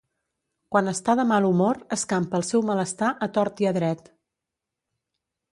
Quan està de mal humor escampa el seu malestar a tort i a dret.